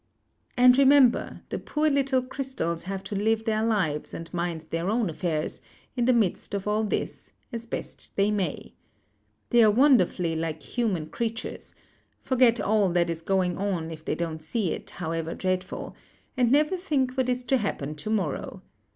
"And, remember, the poor little crystals have to live their lives, and mind their own affairs, in the midst of all this, as best they may. They are wonderfully like human creatures — forget all that is going on if they don't see it, however dreadful; and never think what is to happen to morrow.